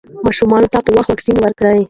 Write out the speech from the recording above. ماشومانو ته په وخت واکسین ورکړئ.